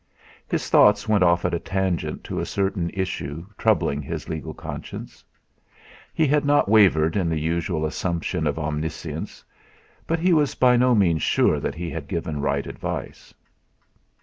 His thoughts went off at a tangent to a certain issue troubling his legal conscience. He had not wavered in the usual assumption of omniscience, but he was by no means sure that he had given right advice.